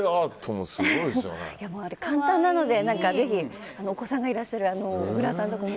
簡単なので、ぜひお子さんがいらっしゃる小倉さんも。